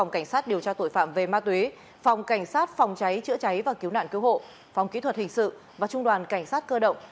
cảnh sát điều tra tội phạm về ma túy phòng cảnh sát phòng cháy chữa cháy và cứu nạn cứu hộ phòng kỹ thuật hình sự và trung đoàn cảnh sát cơ động